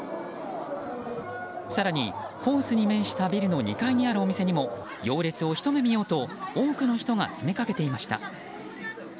更に、コースに面したビルの２階にあるお店でも行列をひと目見ようと多くの人が詰めかけていました。